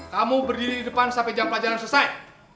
kamu berdiri di depan sampai jam pelajaran selesai